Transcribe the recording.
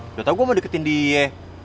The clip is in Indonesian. udah tau gue mau deketin dia